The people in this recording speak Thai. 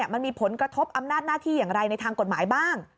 มันมีผลกระทบอำนาจหน้าที่อย่างไรในทางกฎหมายบ้าง